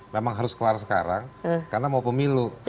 memang harus kelar sekarang karena mau pemilu